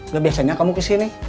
gak biasanya kamu kesini